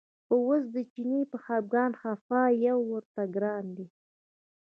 خو اوس د چیني په خپګان خپه یو ورته ګران دی.